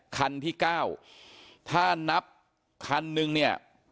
คันที่เก้าถ้านับคันหนึ่งเนี่ย